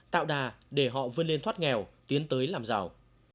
tạo đà để họ vươn lên thoát nghèo tiến tới làm giàu